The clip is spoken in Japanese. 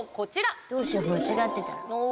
どうしよう間違ってたら。